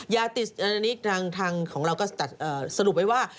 ยาติดอันนี้ทางของเราก็สรุปไว้ว่า